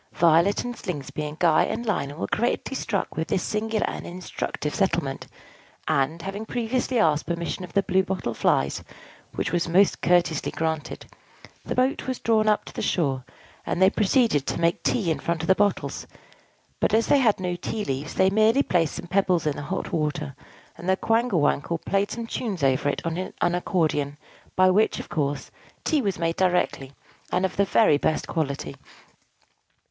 Violet and Slingsby and Guy and Lionel were greatly struck with this singular and instructive settlement; and, having previously asked permission of the Blue Bottle Flies (which was most courteously granted), the boat was drawn up to the shore, and they proceeded to make tea in front of the bottles: but as they had no tea leaves, they merely placed some pebbles in the hot water; and the Quangle Wangle played some tunes over it on an accordion, by which, of course, tea was made directly, and of the very best quality.